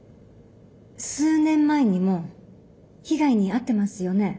数年前にも被害に遭ってますよね？